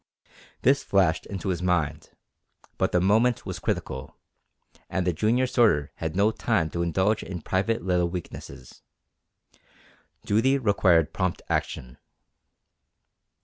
This flashed into his mind, but the moment was critical, and the junior sorter had no time to indulge in private little weaknesses. Duty required prompt action.